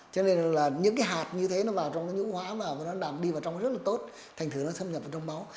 cho nên những hạt như thế vào trong nhũ hóa và đạp đi vào trong rất tốt thành thứ nó thâm nhập vào trong máu